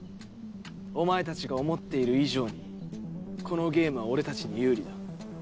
お前たちが思っている以上にこのゲームは俺たちに有利だ。